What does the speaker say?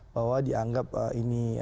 bahwa dianggap ini